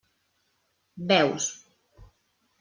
Veus.